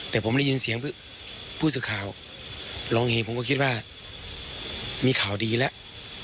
แต่ผมได้ยินเสียงผู้สื่อข่าวลองเห็นผมก็คิดว่ามีข่าวดีแล้ว